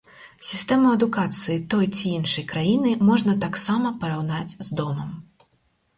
Сістэму адукацыі той ці іншай краіны можна таксама параўнаць з домам.